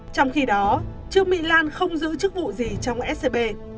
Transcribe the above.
trong khi đó trương mỹ lan không giữ chức vụ gì trong scb